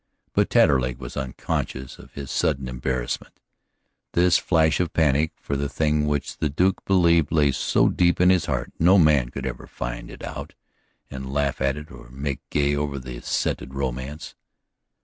But Taterleg was unconscious of this sudden embarrassment, this flash of panic for the thing which the Duke believed lay so deep in his heart no man could ever find it out and laugh at it or make gay over the scented romance.